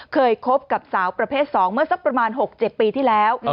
คบกับสาวประเภท๒เมื่อสักประมาณ๖๗ปีที่แล้ว